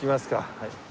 はい。